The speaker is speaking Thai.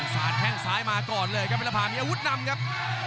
สาดแข้งซ้ายมาก่อนเลยครับวิรภามีอาวุธนำครับ